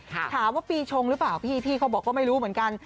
ถามว่าปีชงหรือเปล่าพี่พี่เขาบอกก็ไม่รู้เหมือนกัน